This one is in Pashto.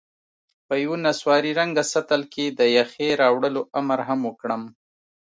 په یوه نسواري رنګه سطل کې د یخې راوړلو امر هم وکړم.